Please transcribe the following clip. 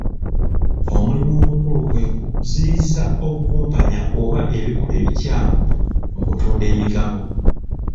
Omulimu omukulu kwe kuziyiza obukumpanya oba ebikolwa ebikyamu mu kutunda emigabo.